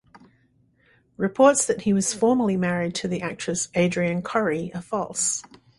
Reports that he was formerly married to the actress Adrienne Corri are false.